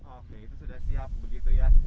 oke itu sudah siap begitu ya